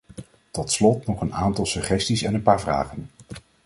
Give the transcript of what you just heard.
Tot slot nog een aantal suggesties en een paar vragen.